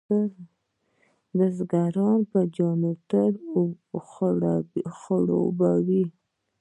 بزګران په جنراټورانو خړوبوي.